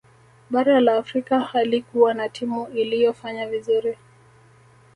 bara la afrika halikuwa na timu iliyofanya vizuri